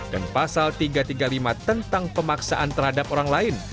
dan pasal tiga ratus tiga puluh lima tentang pemaksaan terhadap orang lain